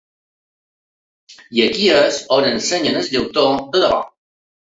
I aquí és on ensenyen el llautó de debò.